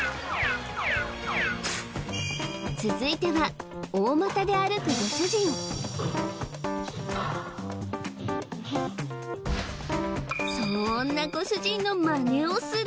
続いては大股で歩くご主人そーんなご主人のマネをする